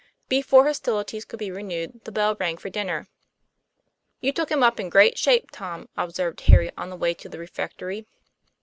Before hostilities could be renewed the bell rang for dinner. ' You took him up in great shape, Tom," observed Harry on the way to the refectory.